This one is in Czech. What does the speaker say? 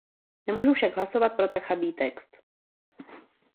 Nemůžu však hlasovat pro tak chabý text.